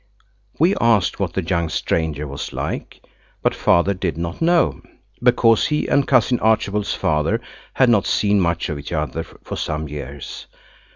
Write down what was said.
We asked what the young stranger was like, but Father did not know, because he and cousin Archibald's father had not seen much of each other for some years.